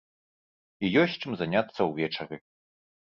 І ёсць чым заняцца ўвечары.